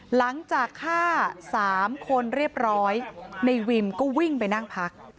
หลังจากฆ่า๓คนเรียบร้อยในวิมก็วิ่งไปนั่งพัก